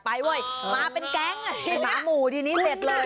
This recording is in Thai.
ไปเว้ยหมาเป็นแก๊งหมาหมู่ที่นี่เสร็จเลย